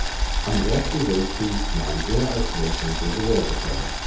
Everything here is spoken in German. Am Ersten Weltkrieg nahm er als Leutnant der Reserve teil.